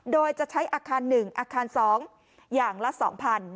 โดยจะใช้อาคาร๑อาคาร๒อย่างละ๒๐๐